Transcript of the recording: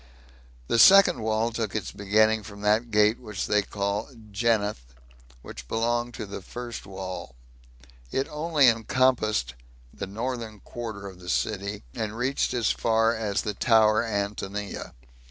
The second wall took its beginning from that gate which they called "Gennath," which belonged to the first wall; it only encompassed the northern quarter of the city, and reached as far as the tower Antonia.